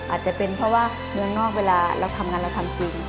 อาจจะเป็นเพราะว่าเมืองนอกเวลาเราทำงานเราทำจริง